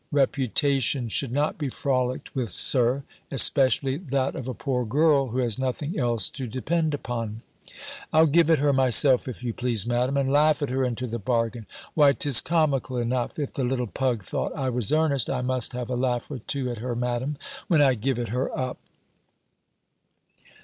Reputation should not be frolicked with, Sir; especially that of a poor girl, who has nothing else to depend upon." "I'll give it her myself, if you please, Madam, and laugh at her into the bargain. Why, 'tis comical enough, if the little pug thought I was earnest, I must have a laugh or two at her, Madam, when I give it her up."